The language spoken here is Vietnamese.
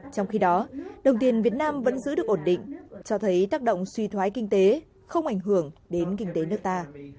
trong khi đó đồng tiền việt nam vẫn giữ được ổn định cho thấy tác động suy thoái kinh tế không ảnh hưởng đến kinh tế nước ta